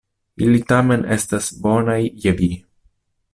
Ili tamen estas bonaj je vi.